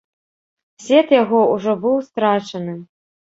След яго ўжо быў страчаны.